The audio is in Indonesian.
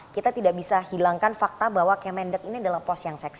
kita tidak bisa hilangkan fakta bahwa kementerian perdagangan ini adalah pos yang seksual